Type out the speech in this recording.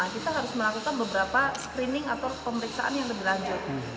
kita harus melakukan beberapa screening atau pemeriksaan yang lebih lanjut